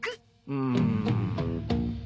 うん。